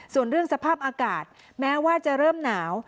ส่วนเรื่องสภาพอากาศแม้ว่าจะเริ่มหนาว